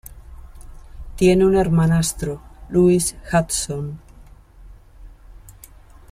Tiene un hermanastro, Lewis Hudson.